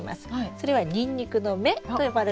それはニンニクの芽と呼ばれるものですね。